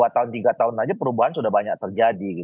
dua tahun tiga tahun saja perubahan sudah banyak terjadi